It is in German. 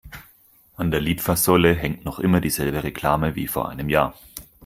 An der Litfaßsäule hängt noch immer die selbe Reklame wie vor einem Jahr.